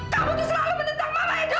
kamu tuh selalu mendentang mama edo